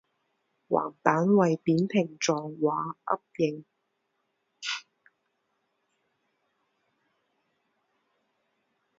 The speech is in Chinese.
横板为扁平状或凹形。